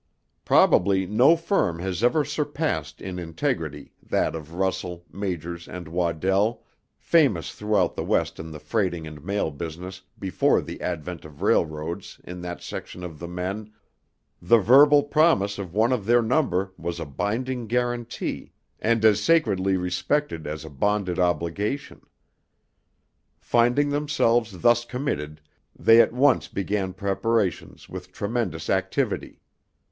Probably no firm has ever surpassed in integrity that of Russell, Majors, and Waddell, famous throughout the West in the freighting and mail business before the advent of railroads in that section of the men, the verbal promise of one of their number was a binding guarantee and as sacredly respected as a bonded obligation. Finding themselves thus committed, they at once began preparations with tremendous activity.